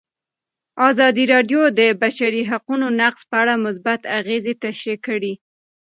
ازادي راډیو د د بشري حقونو نقض په اړه مثبت اغېزې تشریح کړي.